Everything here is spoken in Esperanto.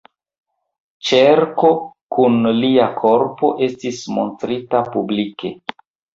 Ĉerko kun lia korpo estis montrita publike.